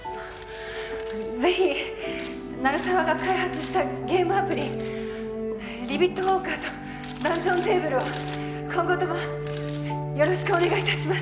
ぜひ鳴沢が開発したゲームアプリリビットウォーカーとダンジョンテーブルを今後ともよろしくお願いいたします